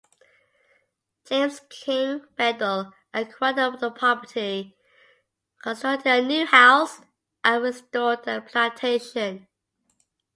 James King Bedell acquired the property, constructed a new house, and restored the plantation.